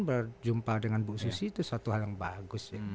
berjumpa dengan bu susi itu satu hal yang bagus ya